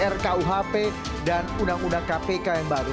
rkuhp dan undang undang kpk yang baru